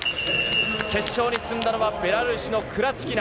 決勝に進んだのは、ベラルーシのクラチキナ。